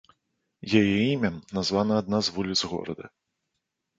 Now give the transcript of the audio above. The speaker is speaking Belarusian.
Яе імем названа адна з вуліц горада.